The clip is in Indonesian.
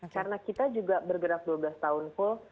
karena kita juga bergerak dua belas tahun full